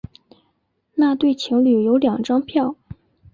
那对情侣有两张票